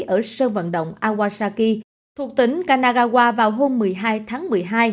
ở sân vận động awasaki thuộc tỉnh kanagawa vào hôm một mươi hai tháng một mươi hai